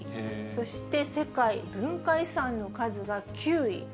そして世界文化遺産の数が９位。